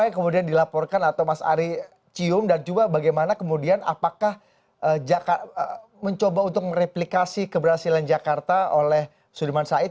apa yang kemudian dilaporkan atau mas ari cium dan coba bagaimana kemudian apakah mencoba untuk mereplikasi keberhasilan jakarta oleh sudirman said